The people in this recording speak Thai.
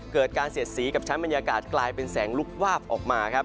เกิดการเสียดสีกับชั้นบรรยากาศกลายเป็นแสงลุกวาบออกมาครับ